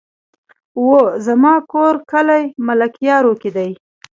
وو زما کور کلي ملكيارو کې دی